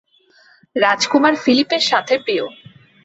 রাজকুমার ফিলিপের সাথে, প্রিয়।